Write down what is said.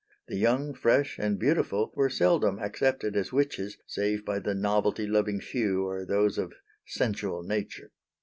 The young, fresh, and beautiful, were seldom accepted as witches save by the novelty loving few or those of sensual nature.